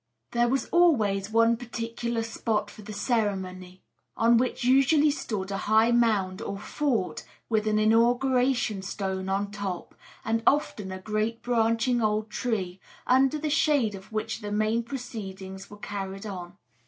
There was always one particular spot for the ceremony, on which usually stood a high mound or fort, with an 'Inauguration Stone' on top, and often a great branching old tree, under the shade of which the main proceedings were carried on.